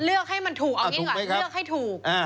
ให้มันถูกเอาอย่างนี้ดีกว่าเลือกให้ถูก